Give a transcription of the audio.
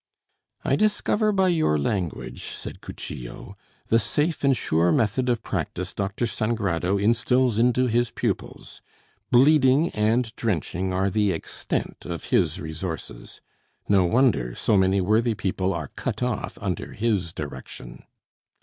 "I discover by your language," said Cuchillo, "the safe and sure method of practise Dr. Sangrado instils into his pupils! Bleeding and drenching are the extent of his resources. No wonder so many worthy people are cut off under his direction!"